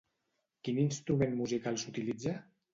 Quin instrument musical s'utilitza?